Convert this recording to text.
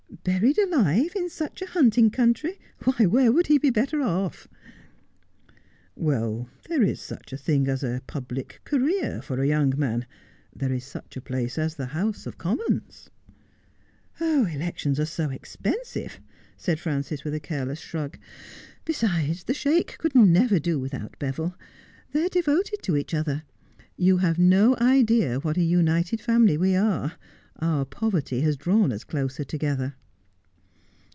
' Buried alive in such a hunting country ! Why, where could he be better off ?'' Well, there is such a thing as a public career for a young man — there is such a place as the House of Commons.' 'Elections are so expensive,' said Frances, with a careless shrug. 212 Just as I Am. 'Besides, the Sheik could never do without Beville. They are devoted to each other. You have no idea what a united family we are. Our poverty has drawn us closer together.'